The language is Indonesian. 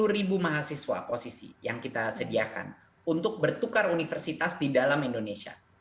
sepuluh ribu mahasiswa posisi yang kita sediakan untuk bertukar universitas di dalam indonesia